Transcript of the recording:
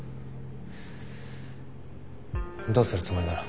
どうするつもりなの？